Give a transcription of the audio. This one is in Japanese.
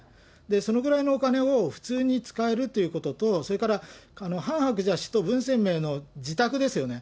そのぐらいのお金を普通に使えるということと、それから、ハン・ハクチャ氏と文鮮明の自宅ですよね。